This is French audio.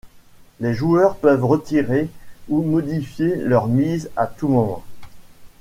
Les joueurs peuvent retirer ou modifier leur mise à tout moment.